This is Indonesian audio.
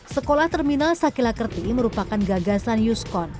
sekolah terminal sakila kerti merupakan gagasan uskon